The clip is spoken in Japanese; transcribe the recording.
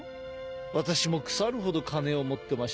私も腐るほど金を持ってましてね